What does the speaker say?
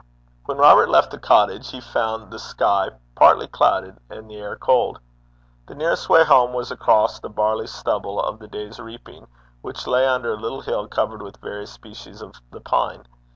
When Robert left the cottage, he found the sky partly clouded and the air cold. The nearest way home was across the barley stubble of the day's reaping, which lay under a little hill covered with various species of the pine.